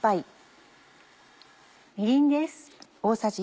みりんです。